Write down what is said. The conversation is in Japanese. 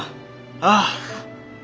ああ！